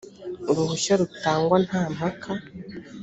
uruhushya rutangwa nta mpaka